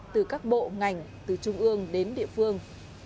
từ các bộ ngành từ trung ương đến địa phương